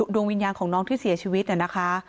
ดวงวิญญาณของน้องที่เสียชีวิตเนี่ยนะคะ